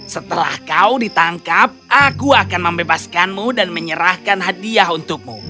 setelah kau ditangkap aku akan membebaskanmu dan menyerahkan hadiah untukmu